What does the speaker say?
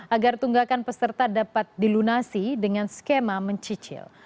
agar tunggakan peserta dapat dilunasi dengan skema mencicil